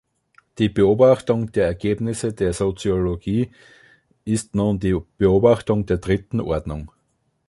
Die Beobachtung der Ergebnisse der Soziologie ist nun die Beobachtung der dritten Ordnung.